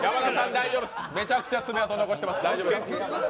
めちゃくちゃ爪痕、残してます。